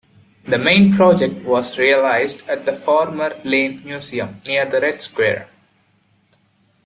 The main project was realised at the former Lenin Museum, near the Red Square.